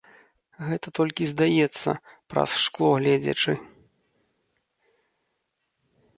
Гэта толькі здаецца, праз шкло гледзячы.